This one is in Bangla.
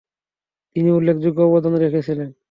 তিনি উল্লেখযোগ্য অবদান রেখেছিলেন।